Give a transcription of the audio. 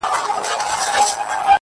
او بل زما وړه موسکا چي څوک په زړه وچيچي”